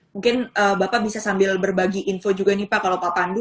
mungkin bapak bisa sambil berbagi info juga nih pak kalau pak pandu